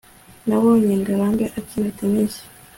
nabonye ngarambe akina tennis